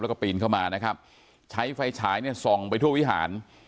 แล้วก็ปีนเข้ามานะครับใช้ไฟฉายเนี่ยส่องไปทั่ววิหาร